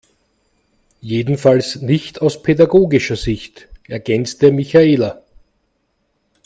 Jedenfalls nicht aus pädagogischer Sicht, ergänzte Michaela.